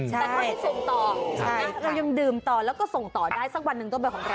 แต่ก็ที่ส่งต่อเรายังดื่มต่อและก็ส่งได้ช่างตัวไปของเรา